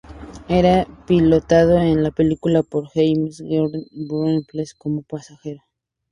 Era pilotado en la película por James Garner con Donald Pleasence como pasajero.